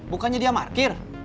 bukannya dia markir